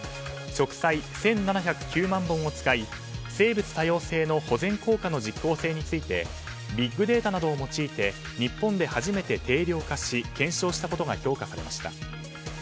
植栽１７０９万本を使い生物多様性の保全効果の実効性についてビッグデータなどを用いて日本で初めて定量化し検証したことが評価されました。